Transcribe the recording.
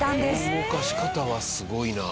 この動かし方はすごいな。